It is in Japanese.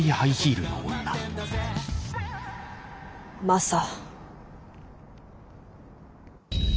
マサ。